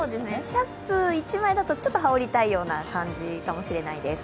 シャツ１枚だと、ちょっと羽織りたい感じかもしれないです。